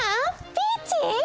ピーチー！